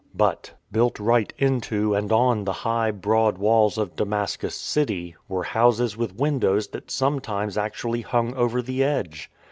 But, built right into and on the high, broad walls of Damascus city, were houses with windows that sometimes actually hung over the edge.